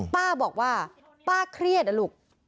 ป้าบอกว่าป้าเครียดอะลูก